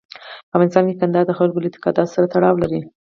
په افغانستان کې کندهار د خلکو له اعتقاداتو سره تړاو لري.